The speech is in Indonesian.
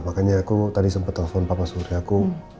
makanya aku tadi sempet telepon papa suri aku